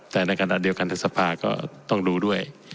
แต่ในการอดีลการทศพาก็ต้องรู้ด้วย